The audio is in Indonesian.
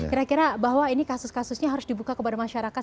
kira kira bahwa ini kasus kasusnya harus dibuka kepada masyarakat